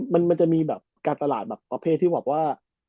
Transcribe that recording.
มันจะมีการตลาดประเภทที่บอกว่า